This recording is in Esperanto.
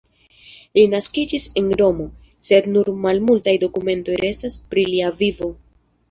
Li naskiĝis en Romo, sed nur malmultaj dokumentoj restas pri lia vivo.